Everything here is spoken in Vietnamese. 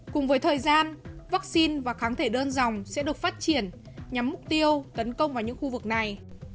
cùng với thời gian vaccine và kháng thể đơn dòng sẽ được phát triển nhắm mục tiêu tấn công vào những khu vực này